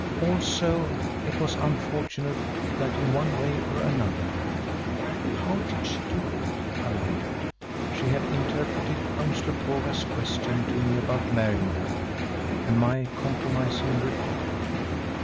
Also it was unfortunate that in one way or another—how did she do it, I wondered—she had interpreted Umslopogaas' question to me about marrying her, and my compromising reply.